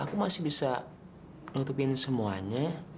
aku masih bisa nutupin semuanya